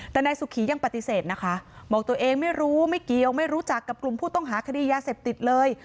แต่นายสุขียังปฏิเสธนะคะบอกตัวเองไม่รู้ไม่เกี่ยวไม่รู้จักกับกลุ่มผู้ต้องหาคดียาเสพติดเลย